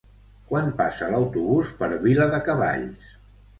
Quan passa l'autobús per Viladecavalls?